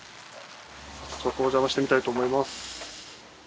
早速おじゃましてみたいと思います。